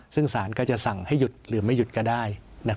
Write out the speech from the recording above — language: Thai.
ซึ่งสารก็จะสั่งให้หยุดหรือไม่หยุดก็ได้